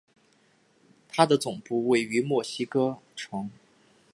它的总部位于墨西哥城。